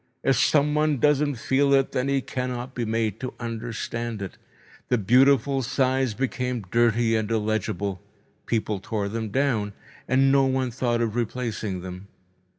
If someone doesn't feel it, then he cannot be made to understand it. The beautiful signs became dirty and illegible. People tore them down, and no one thought of replacing them.